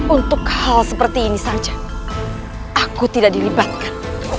untuk hal seperti ini saja aku tidak dilibatkan